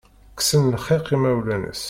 Kksen lxiq imawlan-is.